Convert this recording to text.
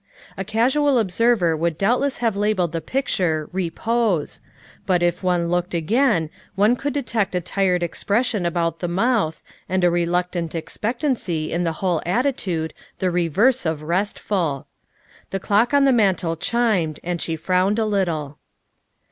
A casual observer would doubtless have labelled the picture " Repose," but if one looked again one could detect a tired expression about the mouth and a reluctant expectancy in the whole attitude the reverse of restful. The clock on the mantel chimed, and she frowned a little.